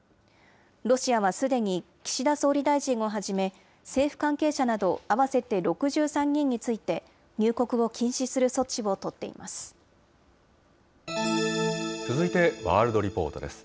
ロシアはすでに岸田総理大臣をはじめ、政府関係者など合わせて６３人について、入国を禁止する措置を取っています。